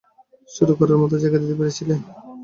শুরু করার মত জায়গা দিতে পেরেছিলেন।